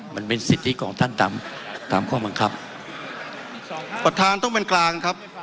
มันเป็นสิทธิของท่านตามตามข้อบังคับประธานต้องเป็นกลางครับ